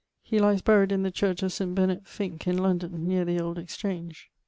He lyes buried in the church of St. Bennet Finke in London, neer the Old Exchange.